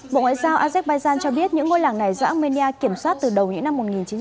bộ ngoại giao azerbaijan cho biết những ngôi làng này do armenia kiểm soát từ đầu những năm một nghìn chín trăm bảy mươi